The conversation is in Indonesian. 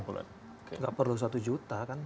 tidak perlu satu juta kan